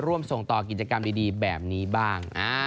ร่วมส่งต่อกิจกรรมดีแบบนี้บ้าง